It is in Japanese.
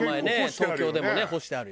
東京でもね干してあるよ。